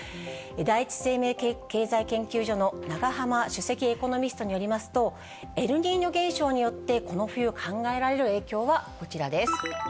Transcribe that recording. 第一生命経済研究所の永濱首席エコノミストによりますと、エルニーニョ現象によってこの冬考えられる影響はこちらです。